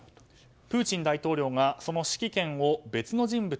プーチン大統領がその指揮権を別の人物